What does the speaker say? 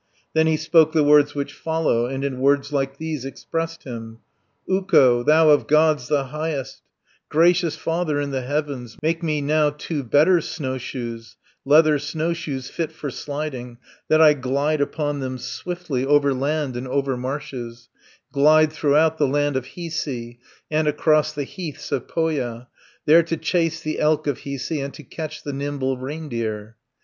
10 Then he spoke the words which follow, And in words like these expressed him: "Ukko, thou of Gods the highest, Gracious Father in the heavens, Make me now two better snowshoes, Leather snowshoes fit for sliding, That I glide upon them swiftly Over land and over marshes, Glide throughout the land of Hiisi, And across the heaths of Pohja, 20 There to chase the elk of Hiisi, And to catch the nimble reindeer.